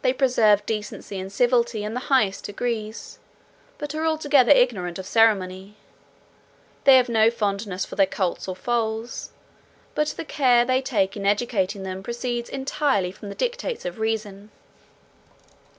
They preserve decency and civility in the highest degrees, but are altogether ignorant of ceremony. They have no fondness for their colts or foals, but the care they take in educating them proceeds entirely from the dictates of reason.